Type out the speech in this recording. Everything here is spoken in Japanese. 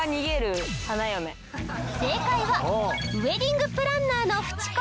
正解はウエディングプランナーのフチ子。